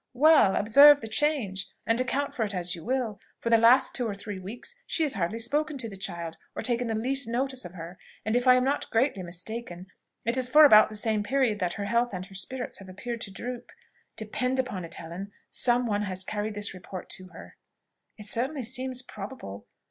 Well! observe the change, and account for it as you will. For the last two or three weeks she has hardly spoken to the child, or taken the least notice of her: and if I am not greatly mistaken, it is for about the same period that her health and her spirits have appeared to droop. Depend upon it, Helen, some one has carried this report to her." "It certainly seems probable.